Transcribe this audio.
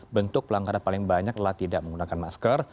bentuk pelanggaran paling banyak adalah tidak menggunakan masker